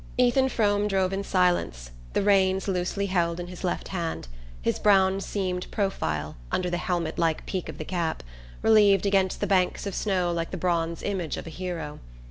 Ethan Frome drove in silence, the reins loosely held in his left hand, his brown seamed profile, under the helmet like peak of the cap, relieved against the banks of snow like the bronze image of a hero.